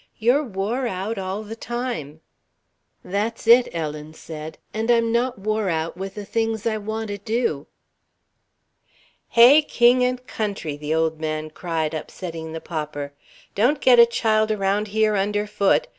You're wore out all the time." "That's it," Ellen said, "and I'm not wore out with the things I want to do." "Hey, king and country!" the old man cried, upsetting the popper. "Don't get a child around here underfoot.